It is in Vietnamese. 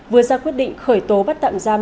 vừa ra quyết định khởi tố bắt tạm giam